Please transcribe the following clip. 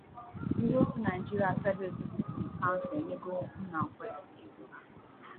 Ndị otu Nigerian Federal Executive Council enyego nnakwe ha